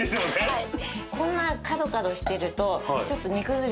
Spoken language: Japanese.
はい。